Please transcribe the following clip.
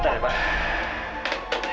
bentar ya mbak